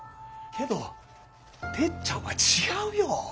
けどてっちゃんは違うよ。